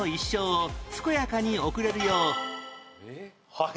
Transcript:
はい。